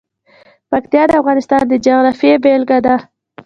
پکتیا د افغانستان د جغرافیې بېلګه ده.